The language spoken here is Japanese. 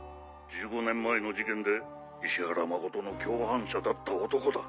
１５年前の事件で石原誠の共犯者だった男だ。